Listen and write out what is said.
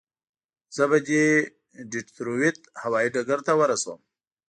زه به دې ډیترویت هوایي ډګر ته ورسوم.